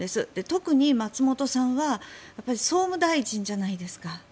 特に松本さんは総務大臣じゃないですか。